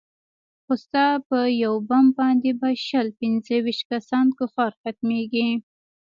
خو ستا په يو بم باندې به شل پينځه ويشت کسه کفار ختميګي.